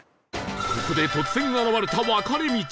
ここで突然現れた分かれ道